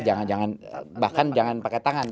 jangan jangan bahkan jangan pakai tangan